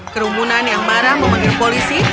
kerumunan yang marah memanggil polisi